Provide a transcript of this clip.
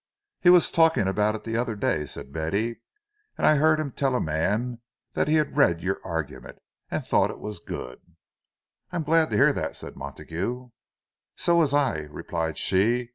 "He was talking about it the other day," said Betty, "and I heard him tell a man that he'd read your argument, and thought it was good." "I'm glad to hear that," said Montague. "So was I," replied she.